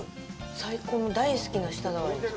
最高の大好きな舌触りです。